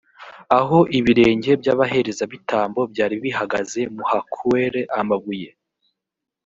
aho ibirenge by’abaherezabitambo byari bihagaze muhakuere amabuye